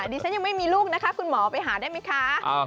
ดิฉันยังไม่มีลูกนะคะคุณหมอไปหาได้ไหมคะ